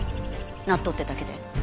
納豆ってだけで？